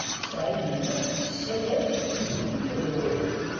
Saɛid U Muḥ yessawel i Tiziri Tagawawt.